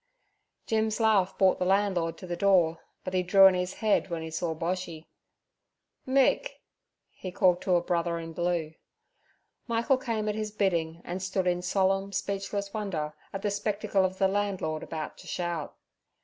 "' Jim's laugh brought the landlord to the door, but he drew in his head when he saw Boshy. 'Mick' he called to a brother in blue. Michael came at his bidding and stood in solemn, speechless wonder at the spectacle of the landlord about to shout.